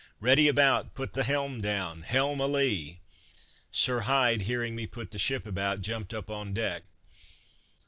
"Ready about! put the helm down! Helm a lee!" Sir Hyde hearing me put the ship about, jumped upon deck.